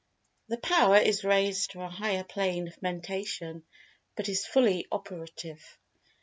The Power is raised to a higher Plane of Mentation, but is fully operative.